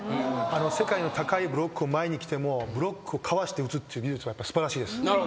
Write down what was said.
世界の高いブロック前に来てもブロックをかわして打つっていう技術は素晴らしいです。